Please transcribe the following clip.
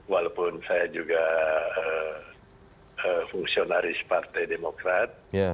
walaupun saya juga fungsionaris partai demokrat